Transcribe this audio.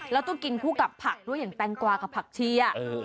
แล้วก็กินคู่กับผักด้วยอย่างแตงกวากับผักเชีย